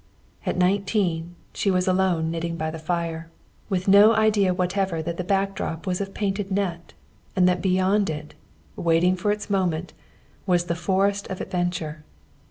At nineteen she was alone knitting by the fire, with no idea whatever that the back drop was of painted net, and that beyond it, waiting for its moment, was the forest of adventure.